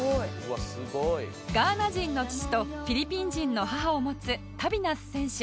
ガーナ人の父とフィリピン人の母を持つタビナス選手